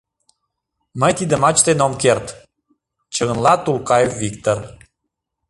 Мый тидымат чытен ом керт! — чыгынла Тулкаев Виктыр.